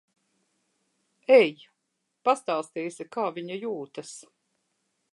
Ej. Pastāstīsi, kā viņa jūtas.